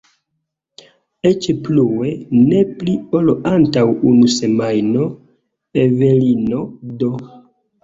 Eĉ plue, ne pli ol antaŭ unu semajno Evelino D.